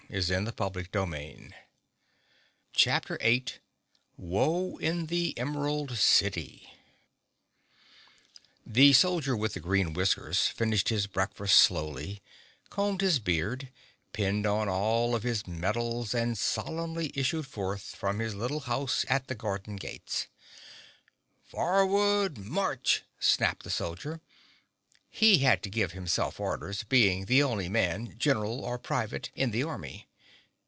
[Illustration: (unlabelled)] Chapter 8 Woe In The Emerald City The Soldier with the Green Whiskers finished his breakfast slowly, combed his beard, pinned on all of his medals and solemnly issued forth from his little house at the garden gates. "Forward march!" snapped the soldier. He had to give himself orders, being the only man, general or private in the army.